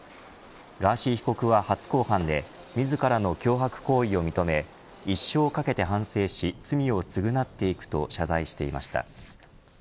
ガーシー被告は初公判で自らの脅迫行為を認め一生かけて反省し罪を償っていくと謝罪していました。